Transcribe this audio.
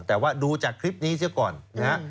แต่ว่าดูจากคลิปนี้เสียก่อนนะฮะ